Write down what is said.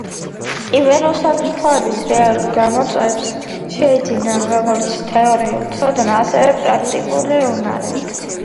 კიბერუსაფრთხოების რეალურ გამოწვევებს, შეიძინონ როგორც თეორიული ცოდნა, ასევე პრაქტიკული უნარები.